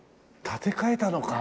建て替えたのか。